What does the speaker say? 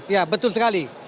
ya betul sekali